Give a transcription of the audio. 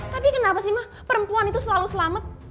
tapi kenapa sih mah perempuan itu selalu selamat